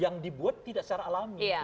yang dibuat tidak secara alami